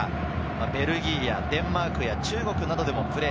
ベルギー、デンマーク、中国でもプレー。